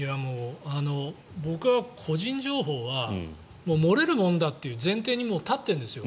僕は個人情報は漏れるものだという前提に立ってるんですよ。